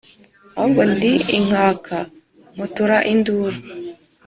ahubwo ndi inkaka mpotora induru.